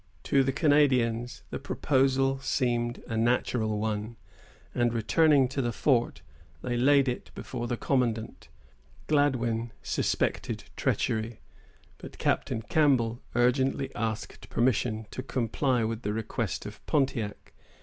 To the Canadians the proposal seemed a natural one, and returning to the fort, they laid it before the commandant. Gladwyn suspected treachery, but Captain Campbell urgently asked permission to comply with the request of Pontiac.